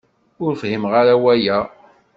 Ur fhimeɣ ara awal-a.